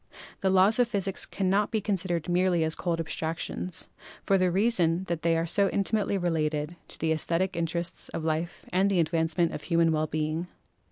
The Laws of Physics cannot be considered merely as cold abstractions, for the reason that they are so intimately related to the esthetic interests of life and the advancement of human well being.